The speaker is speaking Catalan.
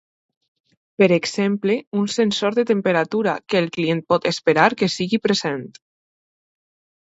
Per exemple, un sensor de temperatura, que el client pot esperar que sigui present.